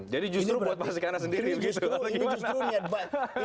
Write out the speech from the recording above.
jadi justru buat pak sikaena sendiri gitu atau gimana